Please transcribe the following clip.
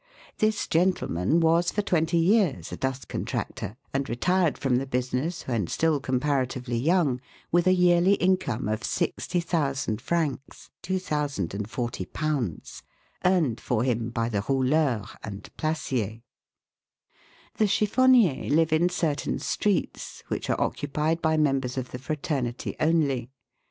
This gentleman was for twenty years a dust contractor, and retired from the business when still comparatively young with a yearly income of 60,000 francs (^2,040), earned for him by the rouleurs and placiers. The chiffonniers live in certain streets, which are occu pied by members of the fraternity only.